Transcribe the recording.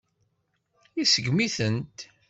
Iseggem-itent.